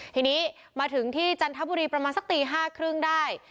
ทีนี้มาถึงที่จันทบุรีประมาณสักตี๕๓๐ได้